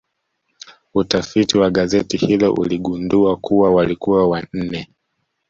Utafiti wa gazeti hilo uligundua kuwa walikuwa wanne